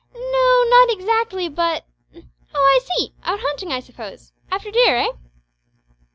"N no; not exactly, but " "Oh! I see. Out huntin', I suppose. After deer eh?"